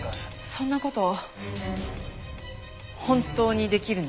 そんな事本当にできるの？